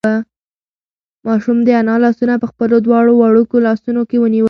ماشوم د انا لاسونه په خپلو دواړو وړوکو لاسونو کې ونیول.